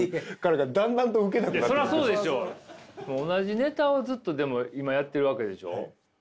同じネタをずっとでも今やってるわけでしょ？